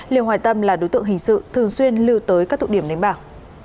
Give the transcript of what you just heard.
lưu hoài tâm là đối tượng hình sự thường xuyên lưu tới các tụ điểm đến bảo